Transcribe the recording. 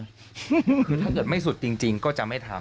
คือถ้าเกิดไม่สุดจริงก็จะไม่ทำ